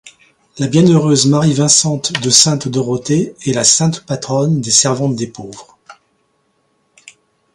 La bienheureuse Marie-Vincente de Sainte-Dorothée est la sainte patronne des Servantes des pauvres.